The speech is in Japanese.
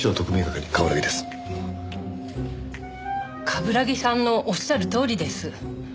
冠城さんのおっしゃるとおりです。